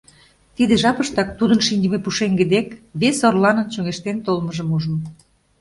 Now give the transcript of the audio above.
Тиде жапыштак тудын шинчыме пушеҥге дек вес орланын чоҥештен толмыжым ужым.